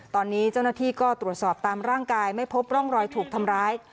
ตอนนี้เจ้าหน้าที่ก็ตรวจสอบตามร่างกายไม่พบร่องรอยถูกทำร้าย